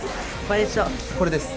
これです。